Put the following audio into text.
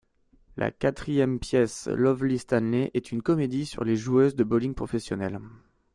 La quatrième pièce, Lovely Stanley, est une comédie sur les joueuses de bowling professionnelles.